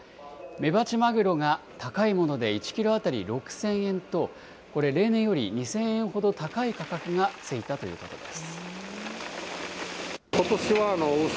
メバチマグロが高いもので１キロ当たり６０００円と、これ、例年より２０００円ほど高い価格がついたということです。